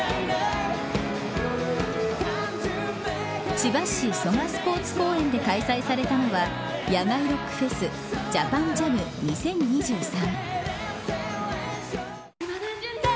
千葉市蘇我スポーツ公園で開催されたのは野外ロックフェスＪＡＰＡＮＪＡＭ２０２３。